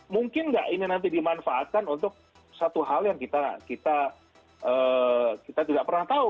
mungkin nggak ini nanti dimanfaatkan untuk satu hal yang kita tidak pernah tahu